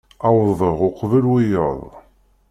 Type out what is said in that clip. Wwḍeɣ uqbel wiyaḍ.